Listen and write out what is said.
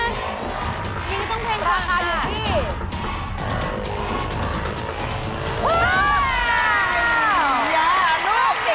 นี่ก็ต้องแพงกว่าราคาอยู่ที่